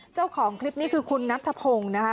เจ้าของคลิปนี้คือคุณนัทธพงศ์นะคะ